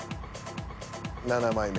７枚目。